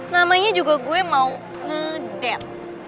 namanya juga gue mau ngedet